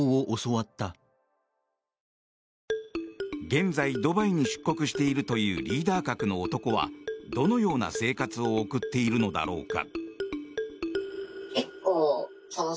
現在、ドバイに出国しているというリーダー格の男はどのような生活を送っているのだろうか。